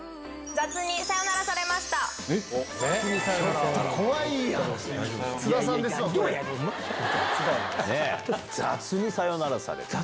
雑にさよならされた。